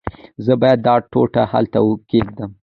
زه باید دا ټوټه هلته کېږدم.